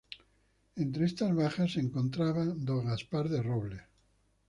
Entre estas bajas se encontraba Don Gaspar de Robles.